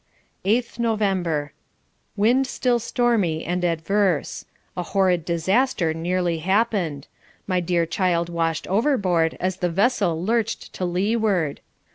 8th November wind still stormy and adverse a horrid disaster nearly happened my dear child washed overboard as the vessel lurched to leeward.